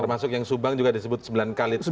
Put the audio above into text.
termasuk yang subang juga disebut sembilan kali